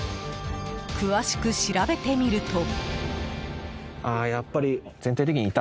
詳しく調べてみると。